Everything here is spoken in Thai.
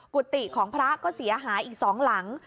กุฏิของพระก็เสียหายอีก๒หลัง